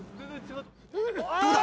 ・どうだ？